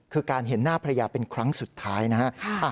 คือการเห็นหน้าภรรยาเป็นครั้งสุดท้ายนะฮะ